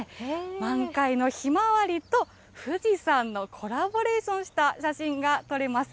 満開のヒマワリと、富士山のコラボレーションした写真が撮れます。